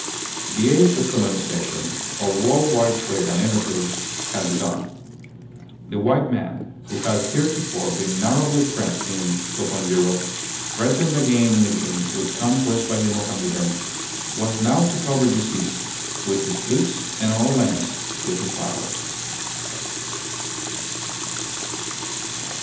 The age of colonization, of world wide trade and intercourse, had begun. The white man, who had heretofore been narrowly pressed in upon Europe, threatened again and again with conquest by the Mohammedan, was now to cover the seas with his fleets and all lands with his power.